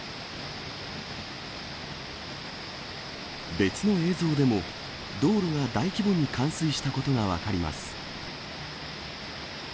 別の映像でも、道路が大規模に冠水したことが分かります。